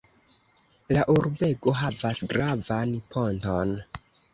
La urbego havas gravan ponton.